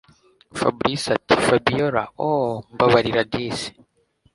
Fabric atiFabiora ooohh mbabarira disi